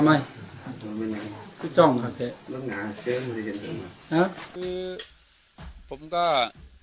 วันนี้ก็จะเป็นสวัสดีครับ